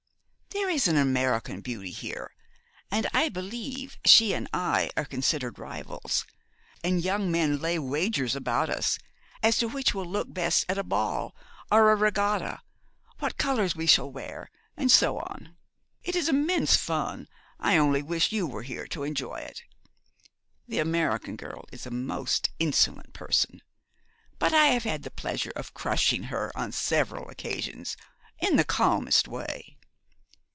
There is an American beauty here, and I believe she and I are considered rivals, and young men lay wagers about us, as to which will look best at a ball, or a regatta, what colours we shall wear, and so on. It is immense fun. I only wish you were here to enjoy it. The American girl is a most insolent person, but I have had the pleasure of crushing her on several occasions in the calmest way.